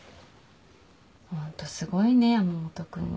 ホントすごいね山本君は。